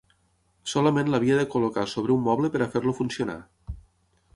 Solament l'havia de col·locar sobre un moble per a fer-lo funcionar.